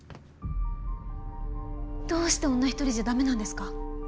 どうして女一人じゃダメなんですか？